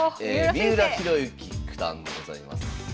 三浦弘行九段でございます。